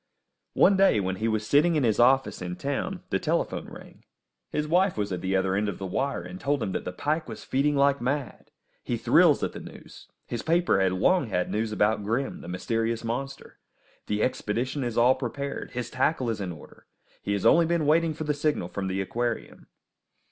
One day, when he was sitting in his office in town, the telephone rang. His wife was at the other end of the wire, and told him that the pike was feeding like mad. He thrills at the news. His paper has long had news about Grim, the mysterious monster. The expedition is all prepared, his tackle is in order; he has only been waiting for the signal from the aquarium.